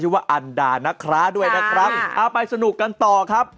ขนาดไหนไปดูครับ